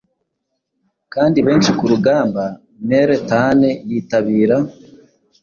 Kandi benshi kurugamba mere-thane yitabira